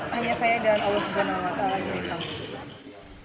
hanya saya dan allah juga nolak